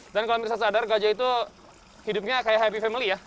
dan kalau bisa sadar gajah itu hidupnya kayak happy family ya